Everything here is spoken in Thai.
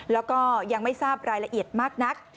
แล้วก็ยังไม่ทราบรายละเอียดมากนัก